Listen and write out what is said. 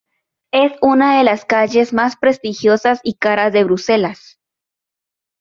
Es una de las calles más prestigiosas y caras de Bruselas.